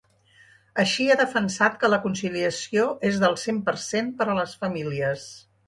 Així, ha defensat que la conciliació és del cent per cent per a les famílies.